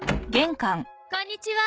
こんにちは。